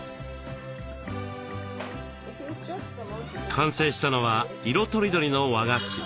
完成したのは色とりどりの和菓子。